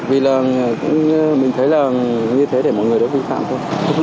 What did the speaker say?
vì là mình thấy là như thế để mọi người được vui phạm thôi